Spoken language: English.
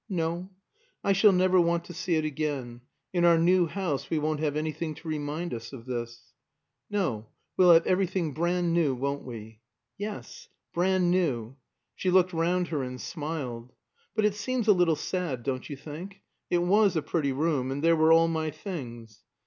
"No. I shall never want to see it again. In our new house we won't have anything to remind us of this." "No, we'll have everything brand new, won't we?" "Yes, brand new." She looked round her and smiled. "But it seems a little sad, don't you think? It was a pretty room, and there were all my things."